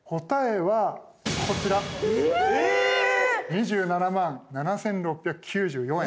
２７万７，６９４円。